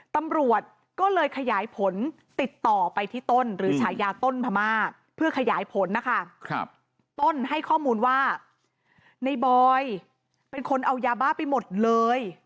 ตำรวจก็เลยขยายผลติดต่อไปที่ต้นหรือฉายาต้นพม่าเพื่อขยายผลนะคะต้นให้ข้อมูลว่าในบอยเป็นคนเอายาบ้าไปหมดเลย